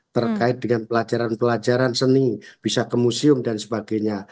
terkait dengan pelajaran pelajaran seni bisa ke museum dan sebagainya